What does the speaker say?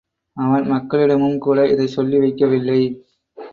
அவன் மக்களிடமும்கூட இதைச் சொல்லி வைக்கவில்லை.